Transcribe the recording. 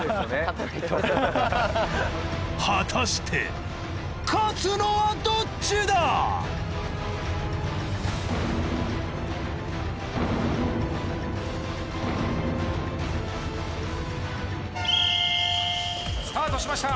果たして勝つのはどっちだ！？スタートしました！